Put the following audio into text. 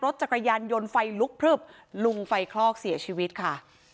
จักรยานยนต์ไฟลุกพลึบลุงไฟคลอกเสียชีวิตค่ะ